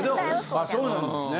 ああそうなんですね。